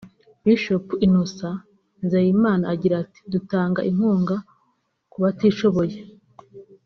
Bishop Innocent Nzeyimana agira ati “Dutanga inkunga ku batishoboye